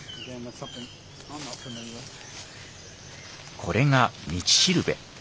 これが道しるべ。